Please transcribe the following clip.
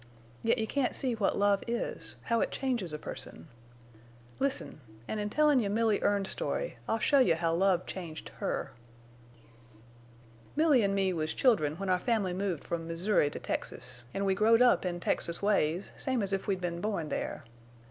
Yet you can't see what love is—how it changes a person!... Listen, an' in tellin' you Milly Erne's story I'll show you how love changed her. "Milly an' me was children when our family moved from Missouri to Texas, an' we growed up in Texas ways same as if we'd been born there.